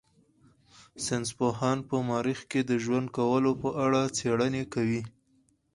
ساينس پوهان په مريخ کې د ژوند کولو په اړه څېړنې کوي.